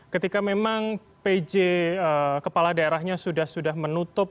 ketika memang pj kepala daerahnya sudah sudah menutup